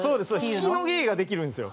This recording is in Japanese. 引きの芸ができるんですよ。